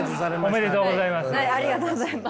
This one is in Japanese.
おめでとうございます。